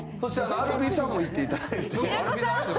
アルピーさんも行っていただいて平子さん？